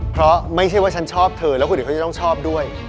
เพราะไม่ใช่ว่าฉันชอบเธอแล้วคนอื่นเขาจะต้องชอบด้วย